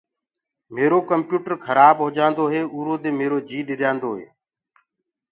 ميرو ڪمپيوٽر کرآب هوجآندو هي اُرو دي ميرو جي ڏريآندوئي۔